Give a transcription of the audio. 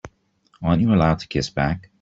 Aren't you allowed to kiss back?